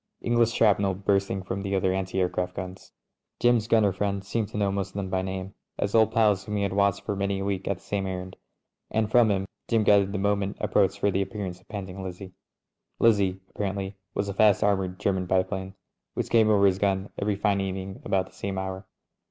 English shrapnel burst ing from other anti aircraft gims. Jim's gunner friend seemed to know most of them by name, as old pals whom he had watched for many a week on the same errand ; and from him Jim gathered that the moment approached for the appearance of Panting Lizzie. Liz zie, apparently, was a fast armoured German biplane which came over his gun every fine evening about the same hour.